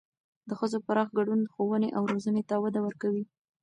د ښځو پراخ ګډون ښوونې او روزنې ته وده ورکوي.